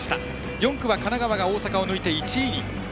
４区は神奈川県が大阪を抜いて１位に。